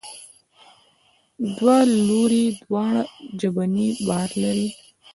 دوه لوري دواړه ژبنی بار لري.